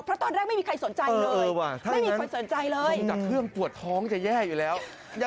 เพราะตอนแรกไม่มีใครสนใจเลยไม่มีคนสนใจเลย